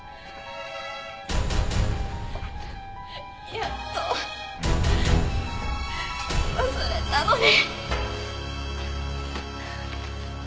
やっと忘れたのに！